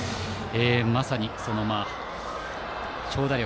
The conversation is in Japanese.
まさに、その長打力。